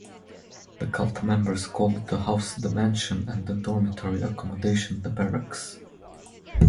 The cult members called the house "the mansion" and the dormitory accommodation "the barracks".